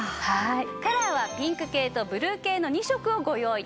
カラーはピンク系とブルー系の２色をご用意致しました。